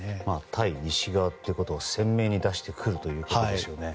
対西側ということを鮮明に出してくるということですね。